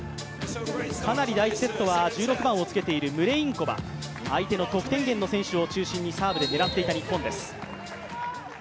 かなり第１セットは１６番をつけているムレインコバ、相手の得点源の選手を中心にサーブで狙っていった日本です。